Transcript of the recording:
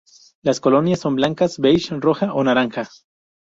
Las colonias son blancas, beige, rosa o naranja.